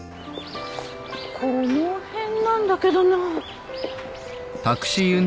この辺なんだけどな。